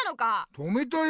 止めたよ！